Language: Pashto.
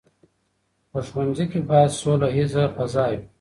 په ښوونځي کې باید سوله ییزه فضا وي.